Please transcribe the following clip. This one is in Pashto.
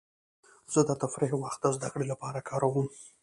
زه د تفریح وخت د زدهکړې لپاره کاروم.